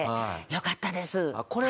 よかったです。